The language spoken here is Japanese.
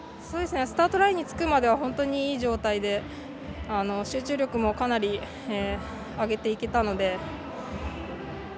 スタートラインにつくまでは本当にいい状態で集中力もかなり上げていけたので。